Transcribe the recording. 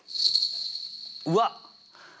うわっ！